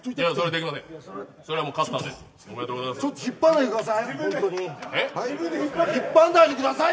ちょっと引っ張らないでください。